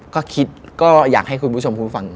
ก็คิดก็อยากให้คุณผู้ชมคุณผู้ฟัง